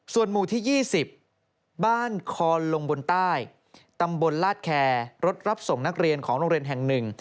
ส่วนหมู่ที่๒๐บ้านคอนลงบนใต้ตำบลลาดแคร์รถรับส่งนักเรียนของโรงเรียนแห่งหนึ่ง